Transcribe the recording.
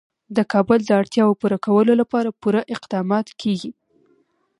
د کابل د اړتیاوو پوره کولو لپاره پوره اقدامات کېږي.